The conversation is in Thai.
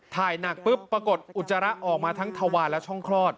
ถ่ายหนักปุ๊บปรากฏอุจจาระออกมาทั้งทวารและช่องคลอด